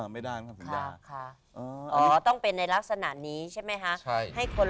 ไม่ทางต้องเป็นในลักษณะนี้ใช่ไหม